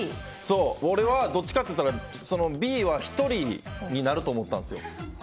俺はどっちかといったらＢは１人になると思ったんですよ。